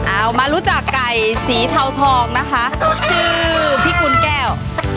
เอามารู้จักไก่สีเทาทองนะคะชื่อพิกุลแก้ว